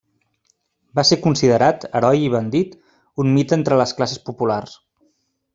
Va ser considerat heroi i bandit, un mite entre les classes populars.